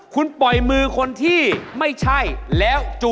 เข้าแล้ว